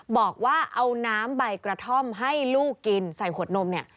บอกว่าเอาน้ำใบกระท่อมให้ลูกกินใส่ขวดนมเนี่ย